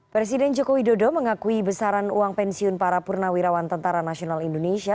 presiden joko widodo mengakui besaran uang pensiun para purnawirawan tentara nasional indonesia